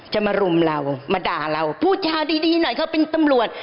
จะมารุมเรามาด่าเราพูดจาดีหน่อยเขาเป็นตำรวจ